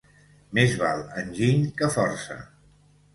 Més val enginy que força.